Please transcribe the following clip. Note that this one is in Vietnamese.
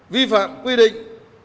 vi phạm quy định